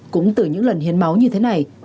cũng từ những lần hiến máu như thế này